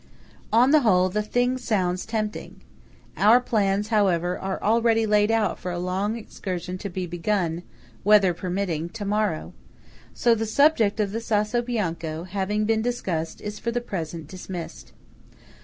On the whole, the thing sounds tempting. Our plans, however, are already laid out for a long excursion to be begun, weather permitting, to morrow. So the subject of the Sasso Bianco, having been discussed, is for the present dismissed.